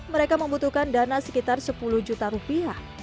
mereka membutuhkan dana sekitar sepuluh juta rupiah